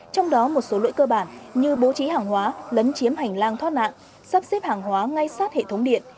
trong đó một số lỗi cơ bản như bố trí hàng hóa lấn chiếm hành lang thoát nạn sắp xếp hàng hóa ngay sát hệ thống điện